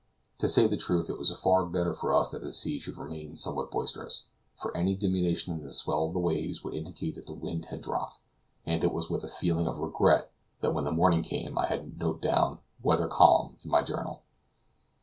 To say the truth, it was far better for us that the sea should remain somewhat boisterous, for any diminution in the swell of the waves would indicate that the wind had dropped, and it was with a feeling of regret that when the morning came I had to note down "weather calm" in my journal.